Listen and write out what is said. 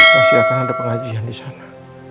masih akan ada pengajian disana